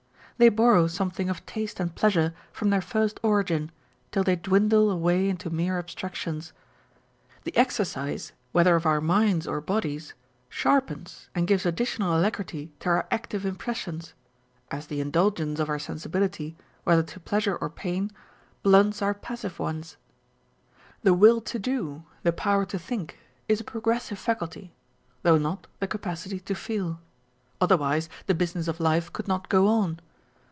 They borrow something of taste and pleasure from their first origin, till they dwindle away into mere abstractions. The exercise, whether of our minds or bodies, sharpens and gives additional alacrity to our active impressions, as the indulgence of our sen l On Novelty and Familiarity. 435 sibility, whether to pleasure or pain, blunts our passive ones. The will to do, the power to think, is a progressive faculty, though not the capacity to feel. Otherwise, the business of life could not go on.